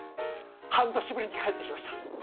半年ぶりに帰ってきました。